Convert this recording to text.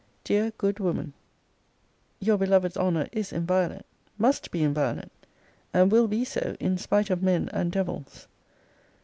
DEAR, GOOD WOMAN, Your beloved's honour is inviolate! Must be inviolate! and will be so, in spite of men and devils.